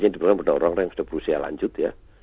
diperlukan orang orang yang berusia lanjut ya